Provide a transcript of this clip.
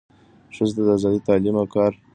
ښځو ته د آزادۍ، تعلیم او کار فرصتونه برابرول اړین دي.